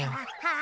あ！